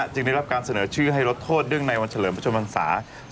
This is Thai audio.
จึงได้รับการเสนอชื่อให้ลดโทษเรื่องในวันเฉลิมประชวนภัณฑ์ศาสตร์